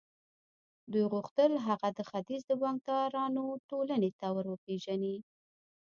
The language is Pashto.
دوی غوښتل هغه د ختیځ د بانکدارانو ټولنې ته ور وپېژني